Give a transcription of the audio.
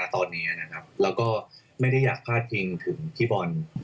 ตอนนี้นะครับแล้วก็ไม่ได้อยากพลาดพิงถึงพี่บอล